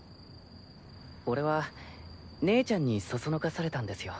俺は姉ちゃんにそそのかされたんですよ。